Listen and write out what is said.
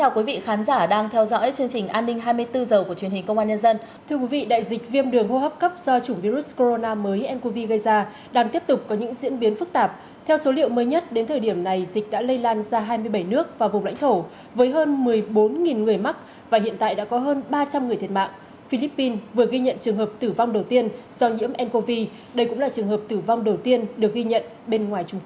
chào mừng quý vị đến với bộ phim hãy nhớ like share và đăng ký kênh của chúng mình nhé